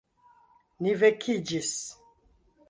Ni vekiĝis.